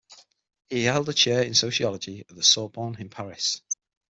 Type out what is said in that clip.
He held a chair in sociology at the Sorbonne in Paris.